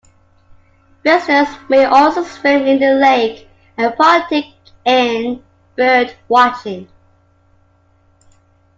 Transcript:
Visitors may also swim in the lake and partake in birdwatching.